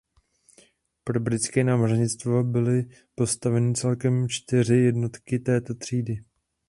Pro britské námořnictvo byly postaveny celkem čtyři jednotky této třídy.